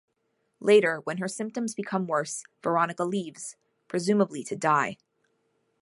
Later, when her symptoms become worse, Veronica leaves, presumably to die.